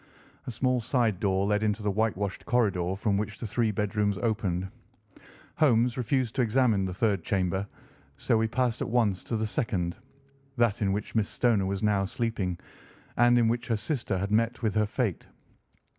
A small side door led into the whitewashed corridor from which the three bedrooms opened. Holmes refused to examine the third chamber, so we passed at once to the second, that in which Miss Stoner was now sleeping, and in which her sister had met with her fate.